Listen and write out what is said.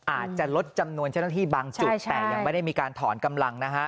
อาจจะลดจำนวนเจ้าหน้าที่บางจุดแต่ยังไม่ได้มีการถอนกำลังนะฮะ